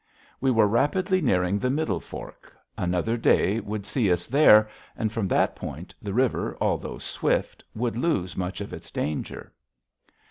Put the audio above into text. We were rapidly nearing the Middle Fork. Another day would see us there, and from that point, the river, although swift, would lose much of its danger.